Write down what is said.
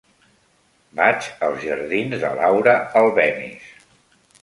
Vaig als jardins de Laura Albéniz.